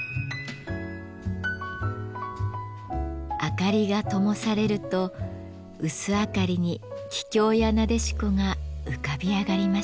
明かりがともされると薄明かりに桔梗や撫子が浮かび上がりました。